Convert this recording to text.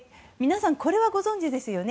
これはご存じですよね。